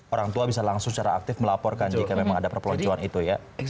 orang tua bisa langsung secara aktif melaporkan jika memang ada perpeloncoan itu ya